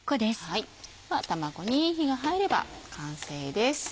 卵に火が入れば完成です。